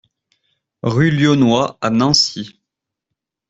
Rue Lionnois à Nancy